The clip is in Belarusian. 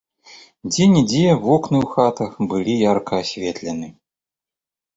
Дзе-нідзе вокны ў хатах былі ярка асветлены.